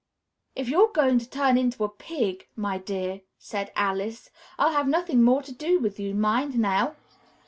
"If you're going to turn into a pig, my dear," said Alice, "I'll have nothing more to do with you. Mind now!"